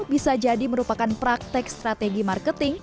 bisa jadi merupakan praktek strategi marketing